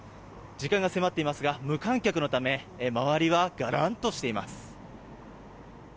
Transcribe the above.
時間が迫っていますが無観客のため周りはがらんとしています。